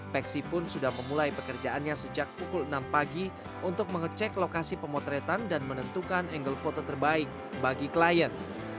peksi pun sudah memulai pekerjaannya sejak pukul enam pagi untuk mengecek lokasi pemotretan dan menentukan angle foto terbaik bagi klien